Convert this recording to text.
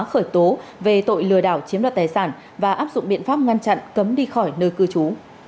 khởi tố về tội lừa đảo chiếm đoạt tài sản và áp dụng biện pháp ngăn chặn cấm đi khỏi nơi cư trú